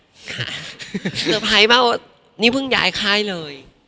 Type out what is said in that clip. เซอร์ไพรส์ว่านี่เพิ่งย้ายค่ายเลย